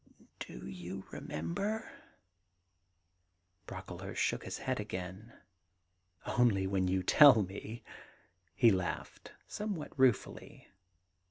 . Do you remember ?' Brocklehurst shook his head again. ^Only when you tell me,' — he laughed somewhat ruefully.